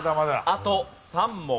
あと３問。